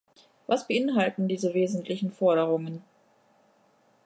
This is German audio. Was beinhalten diese wesentlichen Forderungen?